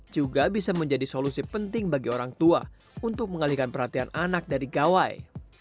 juga bisa menjadi solusi penting bagi orang tua untuk mengalihkan perhatian anak dari gawai